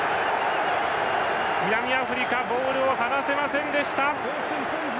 南アフリカボールを離せませんでした。